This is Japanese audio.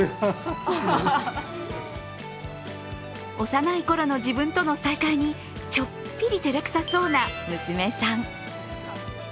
幼いころの自分との再会にちょっぴり照れくさそうな娘さん。